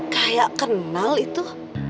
kayak kenal itu